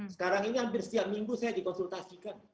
sekarang ini hampir setiap minggu saya dikonsultasikan